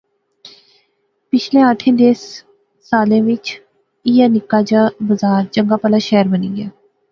پچھلے آٹھِیں دسیں سالیں وچ ایہہ نکا جا بزار چنگا پہلا شہر بنی گیا سا